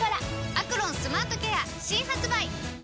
「アクロンスマートケア」新発売！